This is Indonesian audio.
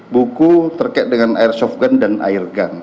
buku terkait dengan airsoft gun dan airgun